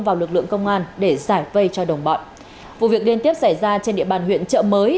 vào lực lượng công an để giải vây cho đồng bọn vụ việc liên tiếp xảy ra trên địa bàn huyện trợ mới